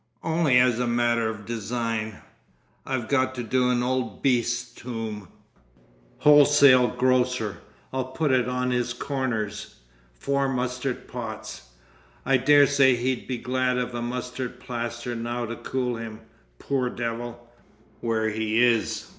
"Only as a matter of design. I've got to do an old beast's tomb. "Wholesale grocer. I'll put it on his corners,—four mustard pots. I dare say he'd be glad of a mustard plaster now to cool him, poor devil, where he is.